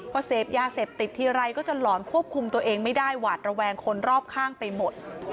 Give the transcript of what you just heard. พอเสพยาเสพติดทีไรก็จะหลอนควบคุมตัวเองไม่ได้หวาดระแวงคนรอบข้างไปหมด